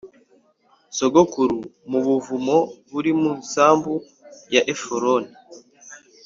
sogokuru mu buvumo buri mu isambu ya Efuroni